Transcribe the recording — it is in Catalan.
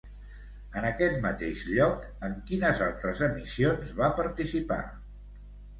En aquest mateix lloc, en quines altres emissions va participar?